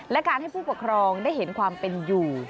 และการให้ผู้ปกครองได้เห็นความเป็นอยู่